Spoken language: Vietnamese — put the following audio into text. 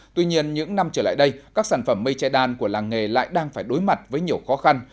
tuy nhiên những năm trở lại đây các sản phẩm mây che đan của làng nghề lại đang phải đối mặt với nhiều khó khăn